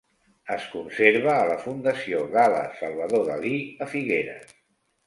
Es conserva a la Fundació Gala-Salvador Dalí, a Figueres.